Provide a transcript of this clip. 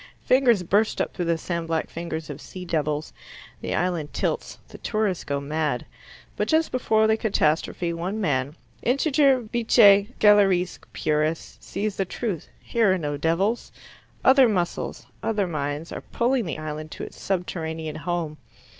Fingers burst up through the sand black fingers of sea devils. The island tilts. The tourists go mad. But just before the catastrophe one man, integer vitae scelerisque purus, sees the truth. Here are no devils. Other muscles, other minds, are pulling the island to its subterranean home.